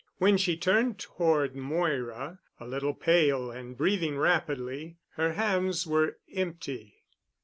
When she turned toward Moira, a little pale and breathing rapidly, her hands were empty.